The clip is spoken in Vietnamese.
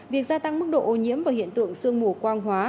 việc gia tăng mức độ ô nhiễm và hiện tượng sương mù quang hóa